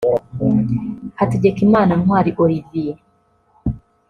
Hategekimana Ntwari Olivier